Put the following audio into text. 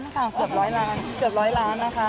เกือบร้อยล้านนะคะ